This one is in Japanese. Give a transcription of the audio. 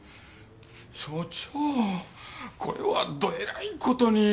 署長これはどえらい事に。